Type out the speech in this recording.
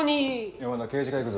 山田刑事課行くぞ。